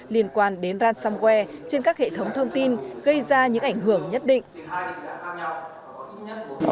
liên quan đến ransomware trên các hệ thống thông tin gây ra những ảnh hưởng nhất định